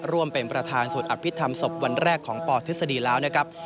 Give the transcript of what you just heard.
ร่วมเป็นประธานสวดอภิษฐรรมศพวันแรกของปทฤษฎีแล้วนะครับ